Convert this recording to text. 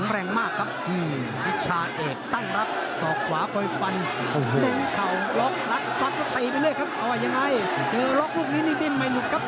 โห้มาแบบคลิม